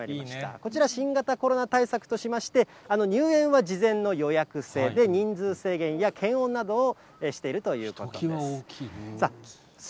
こちら、新型コロナ対策としまして、入園は事前の予約制で、人数制限や検温などをしているということです。